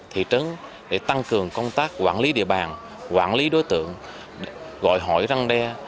thị trấn để tăng cường công tác quản lý địa bàn quản lý đối tượng gọi hỏi răng đe